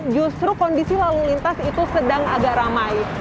justru kondisi lalu lintas itu sedang agak ramai